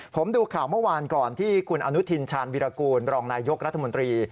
ผมดูข่าวเมื่อวานก่อนที่คุณอนุทินชาญวิรากูลรองนายยกรัฐมนตรี